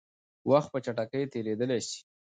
وخت په چټکۍ تېرېدلی شي.